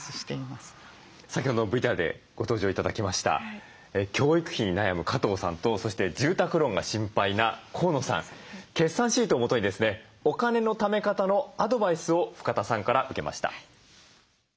先ほどのＶＴＲでご登場頂きました教育費に悩む加藤さんとそして住宅ローンが心配な河野さん決算シートをもとにですねお金のため方のアドバイスを深田さんから受けました。